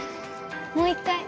もう一回！